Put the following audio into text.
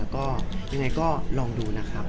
ก็ยังไงก็ลองดูนะครับ